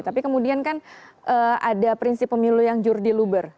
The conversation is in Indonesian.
tapi kemudian kan ada prinsip pemilu yang jurdi luber